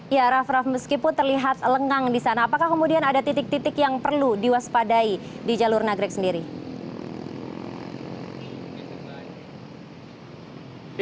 ya raff raff meskipun terlihat lengang di sana apakah kemudian ada titik titik yang perlu diwaspadai di jalur nagrek sendiri